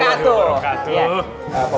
waalaikumsalam warahmatullahi wabarakatuh